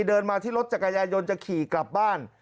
เดินมาที่รถจักรยายนจะขี่กลับบ้าน